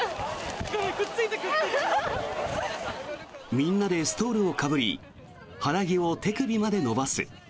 みんなでストールをかぶり肌着を手首まで伸ばす。